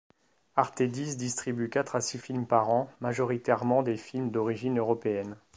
Artédis distribue quatre à six films par an, majoritairement des films d'origine européenne.